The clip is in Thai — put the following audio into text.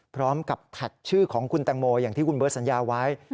พร้อมกับแท็กชื่อของคุณแตงโมอย่างที่คุณเบิร์ตสัญญาไว้